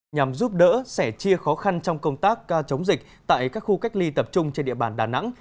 nhằm giúp đỡ sẻ chia khó khăn trong công tác chống dịch tại các khu cách ly tập trung trên địa bàn đà nẵng